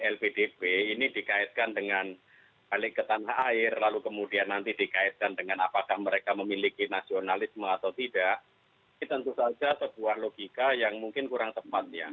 lpdp ini dikaitkan dengan balik ke tanah air lalu kemudian nanti dikaitkan dengan apakah mereka memiliki nasionalisme atau tidak ini tentu saja sebuah logika yang mungkin kurang tepat ya